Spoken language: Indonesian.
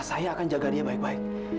saya akan jaga dia baik baik